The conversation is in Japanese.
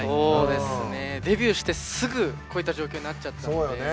デビューしてすぐこういった状況になっちゃったんで。